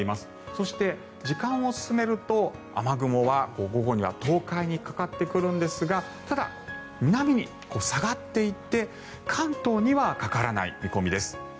そして、時間を進めると雨雲は午後には東海にかかってくるんですがただ、南に下がっていって関東にはかからない見込みです。